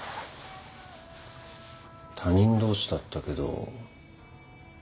他人同士だったけど。